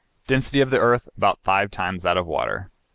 Density of the earth, about five times that of the water.